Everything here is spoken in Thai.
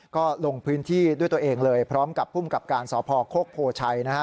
ก็ลงพื้นที่ด้วยตัวเองเลยพร้อมกับภูมิกับการสพโคกโพชัยนะฮะ